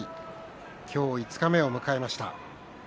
今日五日目を迎えました。